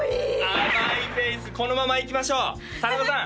甘いフェイスこのままいきましょう田中さん